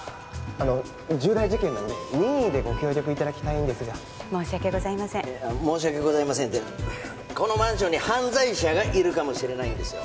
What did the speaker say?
あの重大事件なんで任意でご協力いただきたいんですが申し訳ございません申し訳ございませんってこのマンションに犯罪者がいるかもしれないんですよ